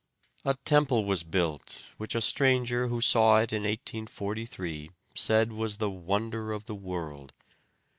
A temple was built, which a stranger who saw it in 1843 said was the wonder of the world.